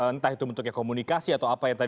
entah itu bentuknya komunikasi atau apa yang tadi